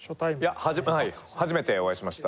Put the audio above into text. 初めてお会いしました。